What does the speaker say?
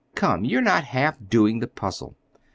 Come, you're not half doing the puzzle."